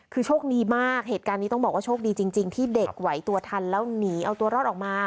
คือโชคดีมากเหตุการณ์นี้ต้องบอกว่าโชคดีจริงที่เด็กไหวตัวทันแล้วหนีเอาตัวรอดออกมา